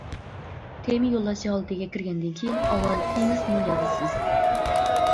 تېما يوللاش ھالىتىگە كىرگەندىن كىيىن ئاۋۋال تېمىسىنى يازىسىز.